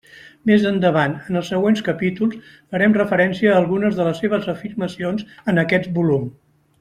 Més endavant, en els següents capítols, farem referència a algunes de les seves afirmacions en aquest volum.